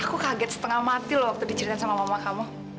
aku kaget setengah mati loh waktu diceritain sama mama kamu